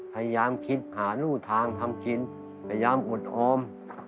พยายามคิดหารู่ทางทำกินพยายามอดออม